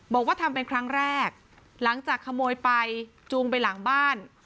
บอกว่าทำเป็นครั้งแรกหลังจากขโมยไปจูงไปหลังบ้าน